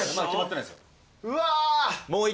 うわ。